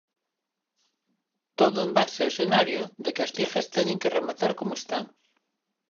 Todo en base ao escenario de que as ligas teñen que rematar como están.